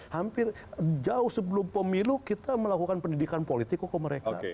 hampir jauh sebelum pemilu kita melakukan pendidikan politik untuk mereka